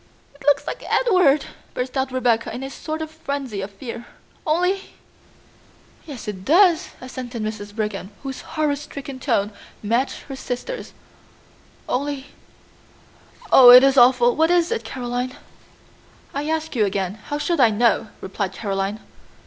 "It looks like Edward," burst out Rebecca in a sort of frenzy of fear. "Only " "Yes, it does," assented Mrs. Brigham, whose horror stricken tone matched her sisters', "only Oh, it is awful! What is it, Caroline?" "I ask you again, how should I know?" replied Caroline.